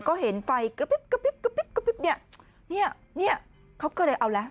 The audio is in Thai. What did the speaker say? ก็เห็นไฟกระพริบกระปิ๊บกระปิ๊บกระปิ๊บเนี่ยเนี่ยเขาก็เลยเอาแล้ว